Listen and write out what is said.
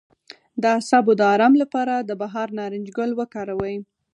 د اعصابو د ارام لپاره د بهار نارنج ګل وکاروئ